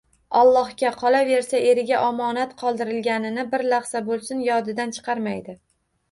Allohga, qolaversa eriga omonat qoldirganini bir lahza bo'lsin yodidan chiqarmaydi.